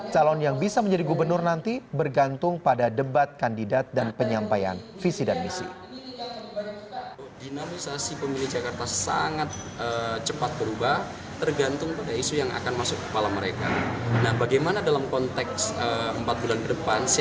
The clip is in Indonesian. calon yang bisa menjadi gubernur nanti bergantung pada debat kandidat dan penyampaian visi dan misi